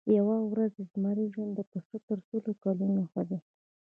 یوه ورځ د زمري ژوند د پسه تر سلو کلونو ښه دی.